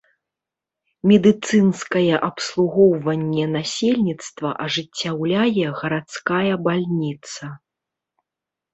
Медыцынскае абслугоўванне насельніцтва ажыццяўляе гарадская бальніца.